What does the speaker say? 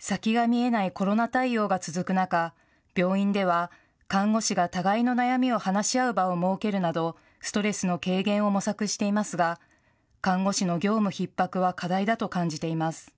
先が見えないコロナ対応が続く中、病院では看護師が互いの悩みを話し合う場を設けるなどストレスの軽減を模索していますが、看護師の業務ひっ迫は課題だと感じています。